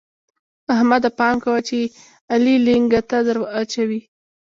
احمده! پام کوه چې علي لېنګته دراچوي.